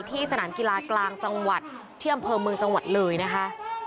ที่สนามกีฬากลางจังหวัดเที่ยมเยี่ยมเมืองจังหวัดเลยค่ะ